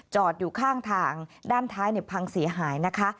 อยู่ข้างทางด้านท้ายพังเสียหายนะคะ